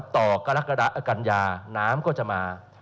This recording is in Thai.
ต่อกรกัญญาน้ำก็จะมา